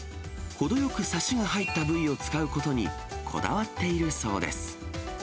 程よくサシが入った部位を使うことにこだわっているそうです。